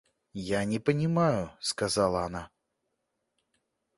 Я не понимаю, — сказала она.